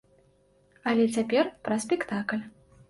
Але цяпер пра спектакль.